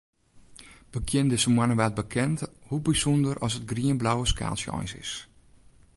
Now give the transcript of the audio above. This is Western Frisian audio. Begjin dizze moanne waard bekend hoe bysûnder as it grienblauwe skaaltsje eins is.